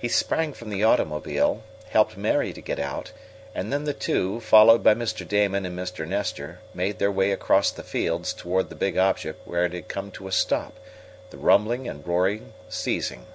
He sprang from the automobile, helped Mary to get out, and then the two, followed by Mr. Damon and Mr. Nestor, made their way across the fields toward the big object where it had come to a stop, the rumbling and roaring ceasing.